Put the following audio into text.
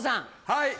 はい。